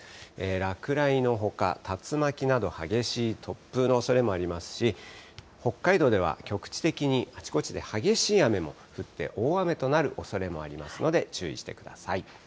落雷のほか、竜巻など、激しい突風のおそれもありますし、北海道では、局地的にあちこちで激しい雨も降って、大雨となるおそれもありますので、注意してください。